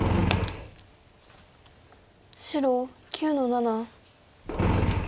白９の七。